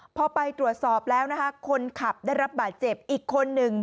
พอไปตรวจสอบแล้วนะคะคนขับได้รับบาดเจ็บอีกคนหนึ่ง